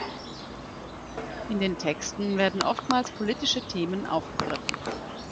In den Texten werden oftmals politische Themen aufgegriffen.